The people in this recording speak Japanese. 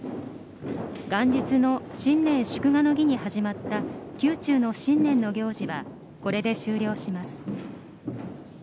元日の新年祝賀の儀に始まった宮中の新年の行事はこれで終了します。